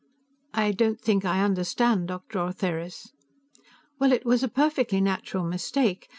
"I don't think I understand, Dr. Ortheris." "Well, it was a perfectly natural mistake.